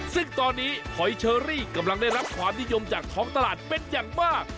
ซึ่งตอนนี้หอยเชอรี่กำลังได้รับความนิยมจากท้องตลาดเป็นอย่างมาก